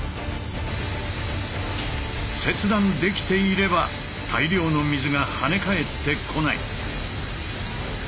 切断できていれば大量の水が跳ね返ってこない。